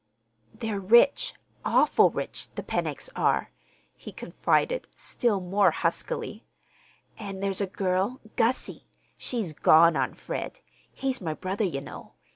"They're rich—awful rich—the Pennocks are," he confided still more huskily. "An' there's a girl—Gussie. She's gone on Fred. He's my brother, ye know.